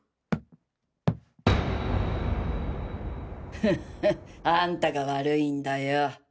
フフッあんたが悪いんだよ。